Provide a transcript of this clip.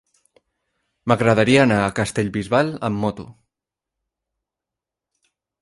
M'agradaria anar a Castellbisbal amb moto.